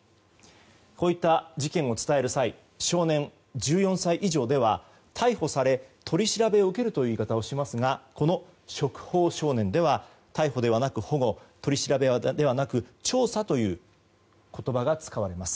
こういった事件を伝える際少年、１４歳以上では逮捕され取り調べを受けるという言い方をしますがこの触法少年では逮捕ではなく保護取り調べではなく調査という言葉が使われます。